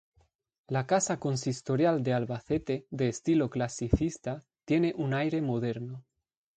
La casa consistorial de Albacete, de estilo clasicista, tiene un aire moderno.